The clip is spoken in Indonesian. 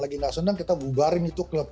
lagi gak senang kita bubarin itu klub